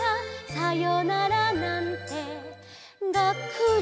「さよならなんてがっくり」